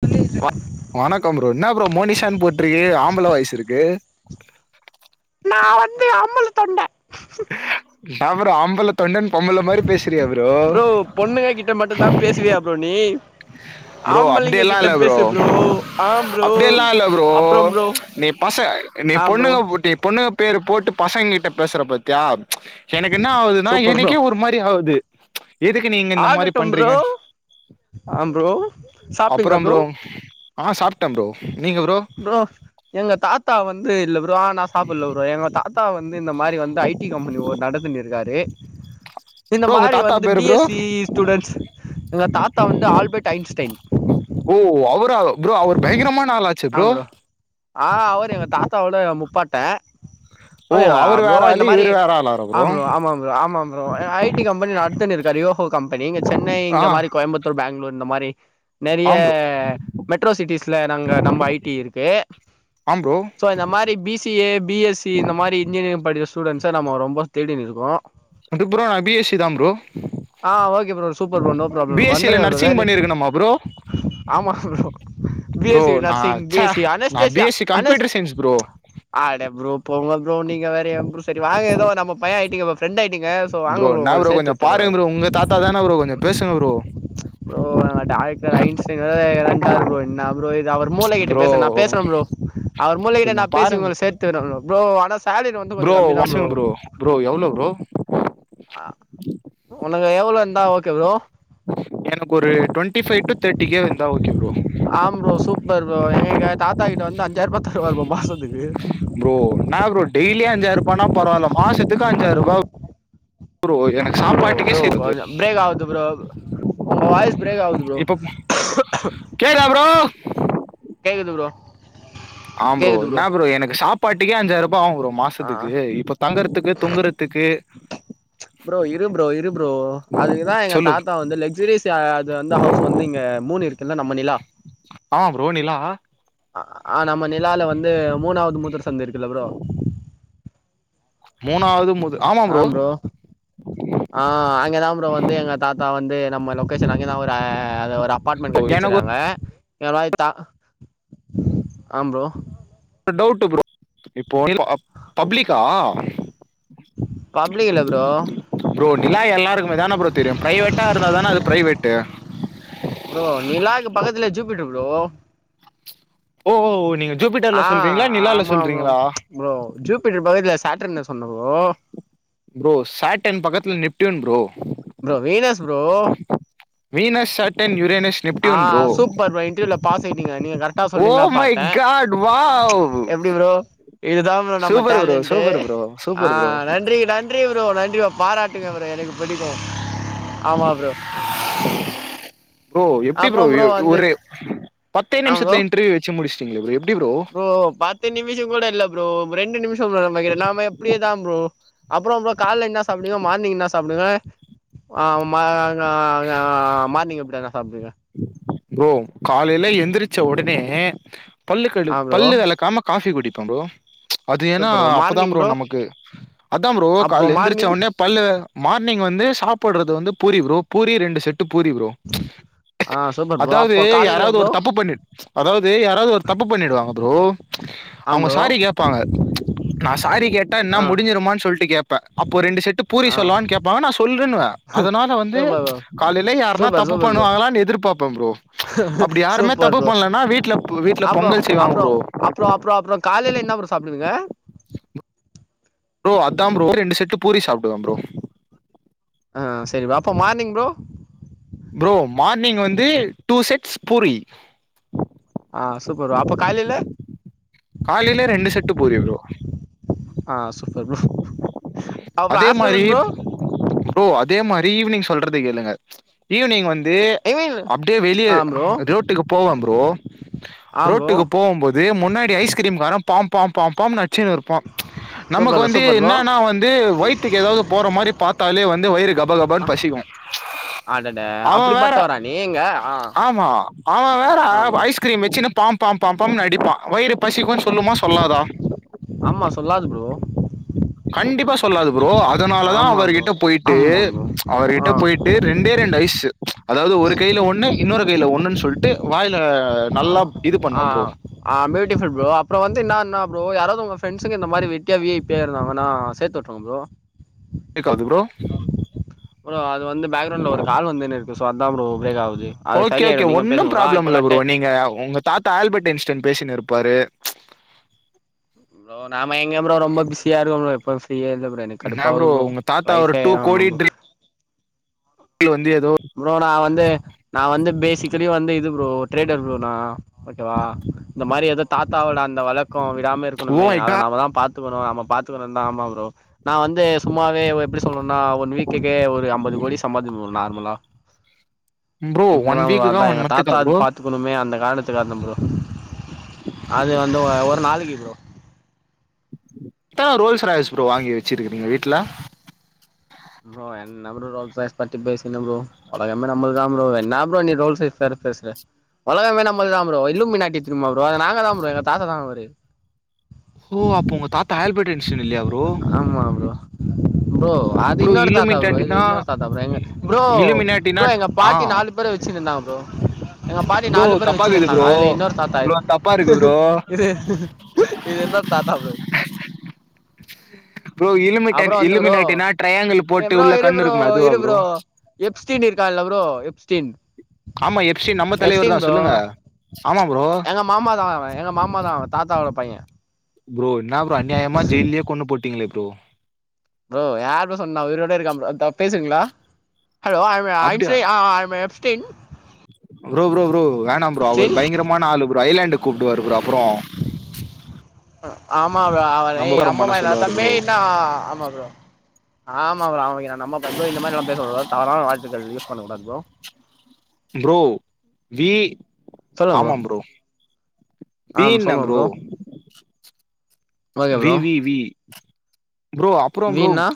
ப வணக்கம் ப்ரோ என்ன ப்ரோ மோனிஷானு போட்ருக்கு ஆம்பள வாய்ஸ் இருக் கு நா வந்து அமுலு தொண்ட அவரு ஆம்பள தொண்டன் பொம்பள மாரி பேசுறியே ப்ரோ டேய்‌ அப்போ நீ ஷஷஷஷ ப்ரோ அப்டி எல்லா இல்ல ப்ரோ ஆம் ப்ரோ அப்டி எல்லா இல்ல ப்ரோ அப்புறம் ப்ரோ டே பச என்னைய ஆம் ப்ரோ பொண்ணுங்க பூட்டி பொண்ணுங்க பேரு போட்டு பசங்கக்கிட்ட பேசுற பாத்தியா எனக்கு என்ன ஆகுதுன்னா சூப்பர் ப்ரோ எனக்கே ஒரு மாரி ஆகுது எதுக்கு நீங்க இந்த மாரி பண்றீங்க ஆ ப்ரோ அப்புறம் ப்ரோ ஆ சாப்ட்ட ப்ரோ நீங்க ப்ரோ ப்ரோ எங்க தாத் தா வந்து இல்ல ப்ரோ ஆ நா சாப்புல்ல ப்ரோ எங்க தாத்தா வந்து இந்த மாரி வந்து ஐ டி கம்பெனி ஒன் நடத்தின்னு இருக்காரு உம் இந்த ப்ரோ உங்க மாரி தாத்தா வந்து பேரு B bro S C students எங்க தாத்தா வந்து ஆல்பர்ட் ஐன்ஸ்டைன் ஓ அவரா ப்ரோ அவர் பயங்கரமான ஆளா ஆ ப்ரோ ஆ அவரு எங்க தாத்தா ஓட முப்பாட்ட ஆ ஓ யா அவரு ப்ரோ வேற ஆளு இந்த மாரி இவரு வேற ஆளாரா ஆ ப்ரோ ஆமா ப்ரோ ஆமா ப்ரோ ஆ ஐ டி கம்பெனி நடத்தின்னு இருக்காரு யோகோ கம்பெனி இங்க சென்னை ஆ இந்த மாரி கோயம்புத் தூர் பேங்களூர் இந்த மாரி நெறைய ஆம் ப்ரோ மெட்ரோ சிட்டிஸ்ல நாங்க நம்ம ஐ டி இருக்கு ஆம் ப்ரோ சோ இந்த மாரி B C A B S C இந்தமாரி இன்ஜினியரிங் படிக்கிற ஸ்டூடண்ட்ஸ நம்ம ரொம்ப தேடினு இருக்கோ அது ப்ரோ நா பி எஸ் சி தா ப்ரோ ஆ okay bro super bro no B problem S C ல வந்துருங்க ப்ரோ நர்சிங் வேலி பண்ணிருக்கணுமா ப்ரோ ஆமா bro B bro S C நான் நர்சிங் பி ச்ச எஸ் சி நான் பி அனஷ்டேஷியா எஸ் சி அனஷ் கம்ப்யூட்டர் சயின்ஸ் ப்ரோ அட ப்ரோ போங்க ப்ரோ நீங்க வேற ஏ ப்ரோ சரி வாங்க ஏதோ நம்ம பைய ஐ டி ஃப்ரெண்ட் ஆயிட்டிங்க ஸோ வாங்க ப்ரோ என்ன உங்கள சேத்து கொஞ்சம் விட்டுற பாருங்க ப்ரோ உங்க தாத்தா தான ப்ரோ கொஞ்சம் பேசுங்க ப்ரோ ப்ரோ டேரக்டர் ஐன்ஸ்டீன் வேற [inaudible] ட்டாது ப்ரோ என்ன ப்ரோ இது அவர் மூளைகிட்ட ப்ரோ பேச நா பேசற ப்ரோ அவர் மூளைகிட்ட நா கொஞ்சம் பேசி பாருங்க உங்கள சேத் துவிட்ற ப்ரோ ஆனா சேலரி வந்து கொஞ்ச கம்மிதா ப்ரோ ப்ரோ எவ்ளோ ப்ரோ ஆ ஒனக்கு எவ்வளோ இருந்தா ஓகே ப்ரோ எனக்கு ஒரு twenty five to thirty K வந்தா ஓகே ப்ரோ பர் ப்ரோ எங்க தாத்தாக்கிட்ட வந்து அஞ்சாயிரூபா தருவாரு ப்ரோ மாசத்துக்கு ப்ரோ என்ன ப்ரோ டெய்லி அஞ்சாயிரூபானா பரவாயில்ல மாசத்துக்கு அஞ்சாயிரூபா ப்ரோ ப்ரோ ப்ரோ சேருது கொஞ்சோ பிரேக் ஆவுது ப்ரோ உங்க வாய்ஸ் பிரேக் ஆவுது ப்ரோ இப்ப கேக்குதா ப்ரோ கேக்குது ப்ரோ ஆ ப்ரோ என்ன ப்ரோ எனக்கு சாப்பாட்டுக்கே அஞ்சாயிரூபா ஆவும் ப்ரோ ஆ மாசத்துக்கு இப்ப தங்குறதுக்கு துங்குறதுக்கு ப்ரோ இரு ப்ரோ இரு ப்ரோ அதுக்குதா எங்க சொல்லு ப்ரோ தாத்தா வந்து லக்ஜுரியஸ் யாரா து வந்தா ஹவுஸ் வந்து இங்க மூண் இருக்குல்ல நம்ம நிலா ஆமா ப்ரோ நிலா ஆ நம்ம நிலால வந்து மூணாவது மூத்ர சந்து இருக்குல்ல ப்ரோ மூணாவது மூத் ஆமா ப்ரோ ஆஹ் அங்கதா ப்ரோ வந்து எங்க தாத்தா வந்து நம்ம லொகேஷன் அங்கதான் ஒரு [unintelligible] அது ஒரு அப்பார்ட்மெண்ட் கட்டி எனக்கு வச்சிறாங்க எவாய்தா ஆஹ்ன் ப்ரோ ஒரு டவுட் ப்ரோ இப்போ பப்ளிக்கா பப்ளிக் இல்ல ப்ரோ ப்ரோ நிலா எல்லாருக்குமே தானே ப்ரோ தெரியு பிரைவேட்டா இருந்தா தானே அது பிரைவேட்டு ப்ரோ நீலாக் பக்கத்துலே ஜூப்ட்டு ப்ரோ ஓ ஓ நீங்க ஜூபிட்டர்ல ஆ சொல்றீங்களா நிலாலல ஆமா ப்ரோ சொல்றீங்களா ப்ரோ ஜூபிட்டர் பகுதில சேட்டர்னஸ் உண்டு ப்ரோ ப்ரோ சாட்டன் பக்கத்துல Neptune bro bro Venus bro Venus Saturn Uranus ஆ சூப்பர் ப்ரோ இன்ரியூல பாஸ் ஆய்ட்டீங்க நீங்க கரெக்ட் டா ஓ சொல்லிட்டிங்களா மை பாத்தே காட் வாவ் எப்டி ப்ரோ இதுதா ப்ரோ நம்ம super bro talent super bro super bro ஆஹ்ன் நன்றி நன் றி ப்ரோ நன்றி ப்ரோ பாராட்டுங்க ப்ரோ எனக்கு பிடிக்கு ஆமா ப்ரோ ப்ரோ எப்டி அப்றோ ப்ரோ வந்து ஒரு பத்தே ஆ ப்ரோ நிமிஷத்துல இன்ட்ரியூ வச் சி முடிச்சிட்டேங்ளே எப்டி ப்ரோ பத்து நிமிஷோ கூட இல்ல ப்ரோ ரெண்டு நிமிஷோ ப்ரோ நமக் எல்லாமே அப்படியேதா ப்ரோ அப்புறோ கால என்ன சாப்டியு மார்னிங் என்ன சாப்டுவே மார்னிங் வீட்ல என்ன சாப்டுவீங்க ப்ரோ காலைல எந்திரிச்ச உடனே பல்லு கடு ஆ ப்ரோ பல்லு வெளக்காம காஃபி குடிப்பே ப்ரோ அது ஏன்னா சூப்பர் ப்ரோ அப்பதா மார்னிங் ப்ரோ நமக்கு அதான் ப்ரோ அப்போ கால்ல எந்திரிச்ச மார்னிங் ஒன்னே பல்லு மார்னிங் வந்து சாப்ட்றது வந்து பூரி ப்ரோ பூரி ரெண்டு செட்டு பூரி ப்ரோ [inaudible] ஆ சூப்பர் ப்ரோ அதாது அப்போ காலைல யாராது ப்ரோ ஒரு தப்பு பண்ணிட் அதாவது யாராது ஒரு தப்பு பண்ணிடுவாங்க ப்ரோ ஆ அவுங்க ப்ரோ சாரி கேப்பாங்க நான் சாரி கேட்டா என்ன ஆ முடிஞ்சிருமான் சொல்லிட்டு கேப்பே அப்போ ரெண்டு செட்டு பூரி ஆ சொல்லவான் கேட்பாங்க நான் சொல்லுன்னுவே அதனால வந்து சூப்பர் ப்ரோ காலையில யாருனா சூப்பர் தப்பு சூப்பர் ப்ரோ பண்ணுவாங்களான் எதிர் பாப்போ ப்ரோ அப்டி யாருமே சூப்பர் தப்பு ப்ரோ பண்லன்னா வீட்ல வீட்ல பொங்கல் செய்வாங்க ப்ரோ அப்றோ அப்றோ அப்றோ காலையில என்ன ப்ரோ சாப்டுவீங்க ப்ரோ அதான் ப்ரோ ரெண்டு செட்டு பூரி சாப்டுவேன் ப்ரோ ஆஹ்ன் சரி அப்போ மார்னிங் ப்ரோ ப்ரோ மார்னிங் வந்து டூ செட்ஸ் பூரி ஆஹ் சூப்பரு அப்ப காலில காலைல ரெண்டு செட்டு பூரி ப்ரோ அப்றோ அதே மாரி ஆஃப்டர்நூன் ப்ரோ ப்ரோ அதே மாரி ஈவினிங் சொல்றது கேளுங்க ஈவினிங் வந் து ஐ மீன் அப்டியே வெளியே ஆ ப்ரோ ரோட்டுக்கு போவ ப்ரோ ஆ ப்ரோ ரோட்டுக்கு போவு போது இது முன்னாடி ஐஸ்கிரீம் வரே பாம்பாம் பாம்பாம் அச்சுன்னு இருப்பான் நமக்கு சூப்பர் வந்து சூப்பர் ப்ரோ என்னன்னா வந்து வயிற்றுக்கு ஏதாவுது போற மாரி பாத்தாலே வந்து வயிறு கபகபனு பசிக்கு [inaudible] அவேன் வேறே அப்படிப்பட்டவரா நீங்க ஆ ஆமா அவே வேறே ஆ ப்ரோ ஐஸ் க்கிரீம் வச்சுனு பாம்பாம்பாம் பாம்னு அடிப்பா வயிறு பசிக்குன் சொல்லுமா சொல்லாதா ஆமா சொல்லாது ப்ரோ கண்டிப்பா சொல்லாது ப்ரோ அதனால தான் ஆமா ப்ரோ அவர்கிட்ட போய்ட்டு ஆமா ப்ரோ அவர்கிட்ட ஆ போய்ட் டு ரெண்டே ரெண்டு ஐஸு அதாது ஒரு கைல ஒன்னு இன்னொரு கைல ஒன்னு சொல்ட் டு வாய்ல நல்லா இது பண்ணுவேன் ப்ரோ. ஆஹ்ன் ஆஹ்ன் பியூட்டிபுல் ப்ரோ அப்றோ வந்து என்ன என்ன ப்ரோ யாராவுது உங் க ப்ரெண்டஸுங்க இந்த மாரி வெட்டியா விஐபியா இருந்தாங்கனா சேர்த்து விட்டுருங்க ப்ரோ கேக்காது ப்ரோ ப்ரோ அது வந்து பேக்ரௌண்ட்ல ஒரு கால் வந்துனு இருக்கு சோ அதா ப்ரோ ப்ரேக் ஆவுது ஓகே ஓகே ஒன்னு ப்ராப்ளம் இல்ல ப்ரோ நீங்க உங்க தாத்தா ஆல்பட் இன்ஸ்டின் பேசினு இருப்பாரு ப்ரோ நாம எங்க ப்ரோ ரொம்ப பிஸியா இருக்குறோ ப்ரோ எப்போவும் ஃப்ரீயே இல்ல ப்ரோ எனக்கு என்ன கடுப்பாவுது ப்ரோ உங்க தாத்தா ஒரு லைஃபே ஆமா ப்ரோ இதுல வந்து ஏதோ ப்ரோ நா வந்து நா வந்து பேசிக்கலி வந்து இது ப்ரோ ட்ரேடர் ப்ரோ நா ஓகேவா இந்த மாரி ஏதோ தாத்தாவோட அந்த வழக்கோ விடாம ஓ இருக்கணுமே மை காட்! அதனால தா பாத் துகுறோ ஆமா பாத்துக்கணு தா ஆமா ப்ரோ நா வந்து சும்மாவே எப்டி சொல்னுன்னா ஒன் வீக்குக்கே ஒரு அம்பது கோடி சம்பாதிப்ப ப்ரோ நார்மலா ப்ரோ இப்பதா வீக்குக்கா [unintelligible] எங்க மந்த்துக்கா தாத்தாது ப்ரோ? பாத் கத்துக்கணுமே அந்த காரணத்துக்கு வந்த ப்ரோ அது வந்து ஒரு நாளைக்கி ப்ரோ எத்தன ரோல்ஸ் ராயல்ஸ் ப்ரோ வாங்கி வச்சிருக்கிறீங்க வீட்ல ப்ரோ என் என்ன ப்ரோ ரோல்ஸ் ராய்ஸ் பத்தி பேசுங்க ப்ரோ உலகமே நம்மள் தா ப்ரோ என்ன ப்ரோ நீ ரோல்ஸ் ராய்ல்ஸ் பத்தி பேசுற உலகமே நம்மள்தா ப்ரோ இல்லும்மினாட்டி திரும்மா ப்ரோ அது நாங்க தா ப்ரோ எங்க தாத்தா தா அவரு ஓ அப்ப உங்க தாத்தா ஆல்பர்ட் ஐன்ஸ்டின் இல்லையா ப்ரோ? ஆமா ப்ரோ ப்ரோ அது ப்ரோ இன்னொரு தாத்தா ப்ரோ இது இல்லுமினேட்டன்டினா இன்னொரு தாத்தா ப்ரோ எங்க ப்ரோ இல்லுமினாட்டினா ப்ரோ எங்க ஆ. பாட்டி நாலு பேர வச்சுன்ருந்தாங்க ப்ரோ எங்க பாட்டி ப்ரோ நாலு பேர வச்சுன் தப்பாக்குது இருந்தாங்க ப்ரோ அதுல இன்னொரு தாத்தா ப்ரோ தப்பா இருக்கு ப்ரோ இது இது என்ன தாத்தா ப்ரோ ப்ரோ இலுமிட்டான் அப்புறோ வந்து ப்ரோ இலுமனாட்டினா ட்ரையாங்கிள் போட்டு உள்ள கண்ணு இருக்குமே அதுவா ப்ரோ எப்ஸ்டின் இருக்கான்ல ப்ரோ எப்ஸ்டின் ஆமா எப்சி நம்ம தலைவர் தா சொல்லுங்க ஆமா ப்ரோ எங்க மாமா தா அவ எங்க மாமா தா அவ தாத்தாவோட பைய ப்ரோ ன்ணா ப்ரோ அநியாயமா ஜெய்லயே கொன்னு போட்டீங்ளே ப்ரோ ப்ரோ யாரு ப்ரோ சொன்னா உயிரோட இருக்கா தா பேசுறீங்ளா ஹலோ ஐ அம் ம் அப்டியா ஐன்சி ஆ ஐ யம் ய எப்ஸ்டின் ப்ரோ ப்ரோ ப்ரோ வேணா ப்ரோ அவரு எப்ஸ்டீன் பயங்கரமான ஆளு ப்ரோ ஐலாண்டு கூப்டுவாரு ப்ரோ அப்றோ ஆமா ரா அவ ஏ நமகாரம் பண்ண அம்மநாகா சொல்லுவாரு தம்பி ப்ரோ என்னா ஆமா ப்ரோ ஆமா ப்ரோ அவ நம்ம இந்த மாரிலா பேச கூடாது தவறான வார்தைகள் யூஸ் பண்ண கூடாது ப்ரோ ப்ரோ வீ ஆமாா ப்ரோ ஆ வீண்ண சொல்லுங்க bro okay V bro V V bro அப்றோ ப்ரோ வீன்னா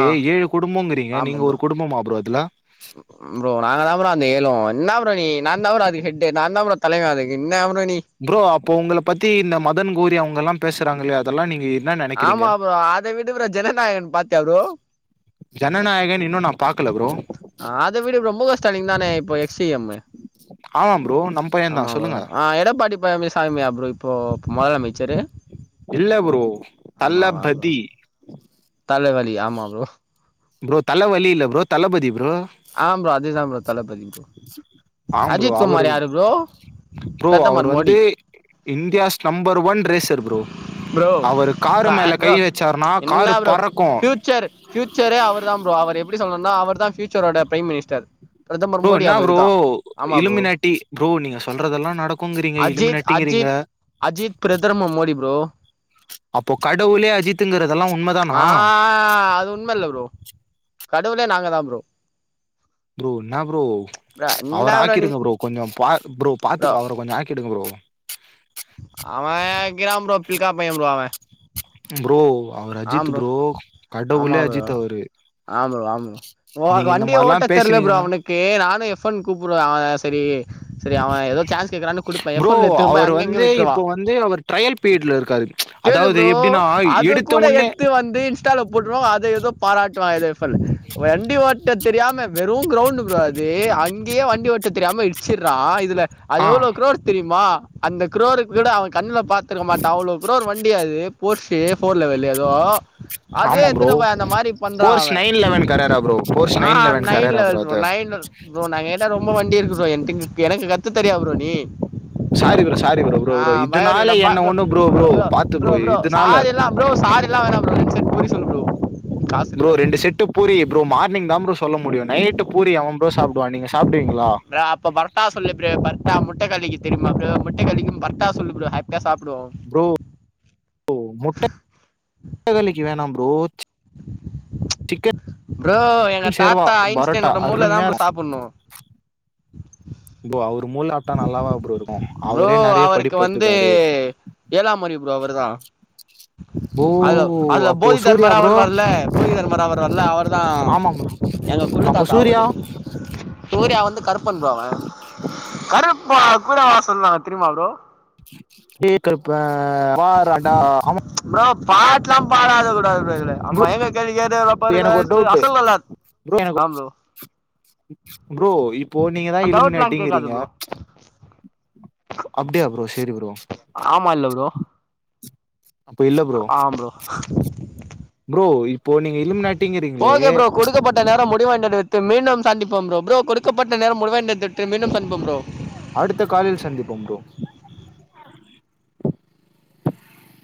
ஆ ஏழு குடும்பங்கிறீங்க ஆமா நீங்க ப்ரோ ஒரு குடும்பமா ப்ரோ அதுல [unintelligible] ப்ரோ நாங்க தா ப்ரோ அந்த ஏழு என்ன ப்ரோ நீ நாந்தா ப்ரோ அதுக்கு ஹெட்டு நாந்தா ப்ரோ தலைவன் அதுக்கு என்ன ப்ரோ நீ ப்ரோ அப்போ உங்கள பத்தி இந்த மதன் கௌரி அவங்கல்லா பேசுறாங்களே இதெல்லா நீங்க என்னன ஆமா ப்ரோ அத விடு ப்ரோ ஜனநாயகன் பாத்தியா ப்ரோ ஜனநாயகன் இன்னு நா பாக்கல ப்ரோ அத விடு ப்ரோ மு க ஸ்டாலின் தானே இப்ப சி எம் மு ஆமா ப்ரோ நம் பையந்தா ஆமா ப்ரோ சொல்லுங்க ஆ எடப்பாடி [unintelligible] சாமியா ப்ரோ இப்போ முதலமைச்சரு இல்ல ப்ரோ தல்லபதி தலவலி ஆமா ப்ரோ ப்ரோ தல வலி இல்ல ப்ரோ தளபதி ப்ரோ ஆம் ப்ரோ அதுதா ப்ரோ தளபதி பரோ ஆம் ப்ரோ அஜித் அவரு குமார் யாரு ப்ரோ ப்ரோ அவர் பிரதமர் வந்து Modi India's number one racer bro bro அவரு காரு த மேல கை ப்ரோ வச்சாருனா காரு பறக்கு ஃப்யூச்சரே அவர்தா ப்ரோ அவர் எப்டி சொல்லனுன்னா அவர் தா ஃப்யூச்சரோட பிரைம் மினிஸ்டர் பிரதமர் ப்ரோ மோடி என்னா அவரு ப்ரோ தா ஆமா ப்ரோ இலுமிநாட்டி ப்ரோ நீங்க சொல்றதெல்லா நடக்குங்றீங்க அஜித் இலுமிநாட்டிங்றீங்க அஜித் அஜித் பிரதர்ம மோடி ப்ரோ அப்போ கடவுளே அஜித்துங்கறதெல்லா உண்ம ஆ அது உண்ம இல்ல ப்ரோ கடவுளே நாங்க தா ப்ரோ ப்ரோ என்னா ப்ரோ ப்ரோ அவர என்ன நீ ஆக்கிடுங்க ப்ரோ கொஞ்சோ பா ப்ரோ பாத்து அவர கொஞ்சோ ஆக்கிடுங்க ப்ரோ அவ இக்கிறா ப்ரோ பில்கா பய ப்ரோ அவ ப்ரோ அவரு அஜித் ப்ரோ கடவுளே அஜித் அவரு ஆ ப்ரோ ஆ ப்ரோ ஓ நீங்க இந்த வண்டியே மாரிலா ஓட்ட தெர்ல ப்ரோ பேசுனீங்கன்னா அவனுக் கு நானு எஃப் ஒன் கூப்புடுவே அவ சரி சரி அவ ஏதோ சான்ஸ் கேக்குறானு குடுப்பே எஃப் ப்ரோ ஒன்ல எத்துனு போயி அவர் அங்க இங்கனு வந்து விட்ருவா இப்போ வந்து அவர் ட்ரையல் பீரியட்ல இருக்காரு கேளு அதாவது ப்ரோ எப்டின்னா அது எடுத்த கூட உடனே எத்து னு வந்து இன்ஸ்டால போட்ருவா அத ஏதோ பாராட்டுவா அத எஃப் ஒன்ல வண்டி ஓட்ட தெரியாம வெறு கிரௌண்ட் ப்ரோ அது அங்கேயே வண்டி ஓட்ட தெரியாம இடிச்சிட்றா இதுல அது ஆ எவ்ளோ க்ரோரு தெரியுமா அந்த க்ரோருக்கு கூட அவ கண்ல பாத்துருக்க மாட்டா அவ்ளோ க்ரோரு வண்டி அது ஃபோர்டுஸ் வெலல் ஏதோ அதுவே ஆமா ப்ரோ எத்துனு போய் அந்த மாரி பண்றா போர்ஸ் அவ nine eleven Carrera bro Porsche ஆ eleven nine Carrera level bro அது நைன் ப்ரோ நா எங்ககிட்ட ரொம்ப வண்டி இருக்கு ப்ரோ என்டயு இருக்கு எனக்கு கத்து தரியா ப்ரோ நீ sorry bro sorry bro bro ஆ ப்ரோ பய இதனால இருக்கட்டு ப என்ன ப்ரோ ஒண்ணு ப்ரோ ப்ரோ பாத்து ப்ரோ ப்ரோ இதனால ஸாரி எல்லா ப்ரோ ஸாரி எல்லா வேணா ப்ரோ ரெண்டு செட் பூரி சொல்லு ப்ரோ காசு ப்ரோ இல்லை ரெண்டு செட் ட்டு பூரி ப்ரோ மார்னிங் தா ப்ரோ சொல்ல முடியு நைட்டு பூரி எவ ப்ரோ சாப்புடுவா நீங்க சாப்டுவீங்களா ப்ரோ அப்ப பரோட்டா சொல்லு ப்ரோ பரோட்டா முட்ட கலக்கி தெரிமா ப்ரோ முட்ட கலக்கியு பரோட்டா சொல்லு ப்ரோ ஹாப்பியா சாப்டுவோ ப்ரோ முட்ட முட்டகலக்கி வேணா ப்ரோ சி சிக்கன் ப்ரோ எங்க சேர்வா தாத்தா பரோட்டா ஐன்ஸ்டைனோட மூள தா அருமையா ப்ரோ இருக்கும் சாப்புட்ணு ப்ரோ அவரு மூள நல்லாவா ப்ரோ இருக்கு ப்ரோ அவரே நெறைய அவருக்கு வந்து படிப்பட்டுருக்காரு ஏழாமறிவு ப்ரோ அவருதா ஓ அதுல அதுல அப்போ போதி சூர்யா தர்மரா ப்ரோ வருவார்ல போதி தர்மரா வருவார்ல அவரு தா ஆமா ப்ரோ எங்க அப்போ கொள்ளுதாத்தா சூர்யா அவரு சூரியா வந்து கருப்பன் ப்ரோ அவ கருப்பா கூட வா சொல்வாங்க தெரிமா ப்ரோ ஏ கருப்ப வாராண்டா அவ ப்ரோ பாட்லா பாடாத கூடாது கூடாது கூடாது, ஆமா ப்ரோ எங்க கேள்வி கேட்டு ரொப்பாருக்கு எனக்கு ஒரு கோஸ்த்து டவுட் அசல் அல்ல ஆம் ப்ரோ ப்ரோ இப்போ நீங்க தா டவுட்லாம் கேட்காது இலுமினாட்டிங்கிறீங்க ப்ரோ அப்டியா ப்ரோ சேரி ப்ரோ ஆமா இல்ல ப்ரோ அப்ப இல்ல ஆ ப்ரோ ப்ரோ இப்போ நீங்க இலுமினாட் ஒகே ப்ரோ கொடுக்கப்பட் ட நேரம் முடிவடைந்ததடுத்து மீண்டும் சந்திப்போம் ப்ரோ கொடுக்கப்பட்ட நேரம் முடிவடைந்ததொட்டு மீண்டும் சந்திப்போம் ப்ரோ அடுத்த காலில் சந்திப்போம் ப்ரோ